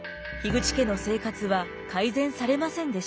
口家の生活は改善されませんでした。